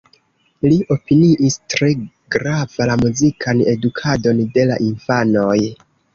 Li opiniis tre grava la muzikan edukadon de la infanoj.